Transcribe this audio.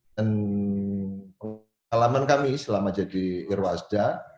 dan alaman kami selama jadi irwasda